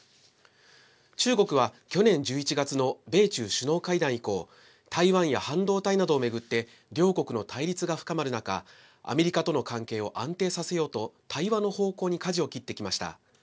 中国は去年１１月の米中首脳会談以降台湾や半導体などを巡って両国の対立が深まる中アメリカとの関係を安定させようと対話の方向にかじを切ってきました。